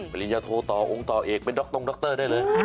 ปริญญาโทต่อองค์ต่อเอกเป็นดรงดรได้เลย